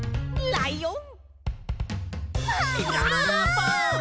ライオン！